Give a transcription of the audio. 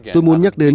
tôi muốn nhắc đến